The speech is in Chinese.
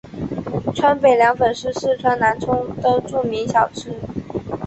川北凉粉是四川南充的著名小吃。